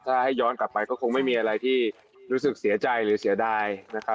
ถ้าให้ย้อนกลับไปก็คงไม่มีอะไรที่รู้สึกเสียใจหรือเสียดายนะครับ